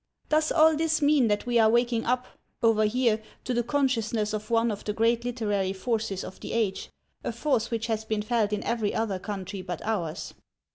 Does all this mean that we are waking up, over here, to the consciousness of one of the great literary forces of the age, a force which has been felt in every other country but ours?